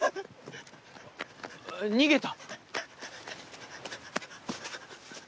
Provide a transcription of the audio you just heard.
逃げた！